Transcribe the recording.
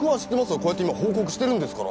こうやって今報告してるんですから。